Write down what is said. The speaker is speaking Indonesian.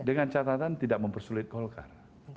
dengan catatan tidak mempersulit golkar